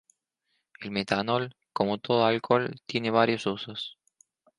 El metanol, como todo alcohol, tiene varios usos.